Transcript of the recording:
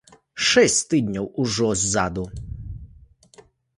Шэсць тыдняў ўжо ззаду.